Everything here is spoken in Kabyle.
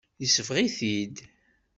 Yesbeɣ-it-id.